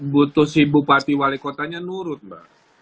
butuh si bupati wali kotanya nurut mbak